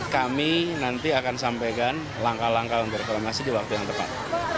kami nanti akan sampaikan langkah langkah untuk reklamasi di waktu yang tepat